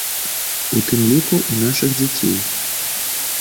У тым ліку, і нашых дзяцей.